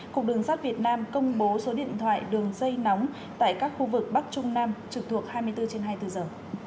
cục đường sát việt nam công bố số điện thoại đường dây nóng tại các khu vực bắc trung nam trực thuộc hai mươi bốn trên hai mươi bốn giờ